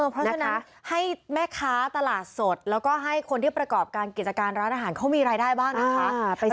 เพราะฉะนั้นให้แม่ค้าตลาดสดแล้วก็ให้คนที่ประกอบการกิจการร้านอาหารเขามีรายได้บ้างนะคะ